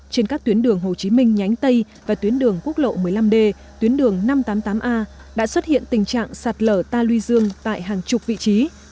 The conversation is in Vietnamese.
trên các tuyến đường hồ chí minh nhánh tây và tuyến đường quốc lộ một mươi năm d tuyến đường năm trăm tám mươi tám a đã xuất hiện tình trạng sạt lở ta luy dương tại hàng chục vị trí